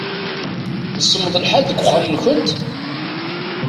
Semmeḍ lḥal deg uxxam-nkent?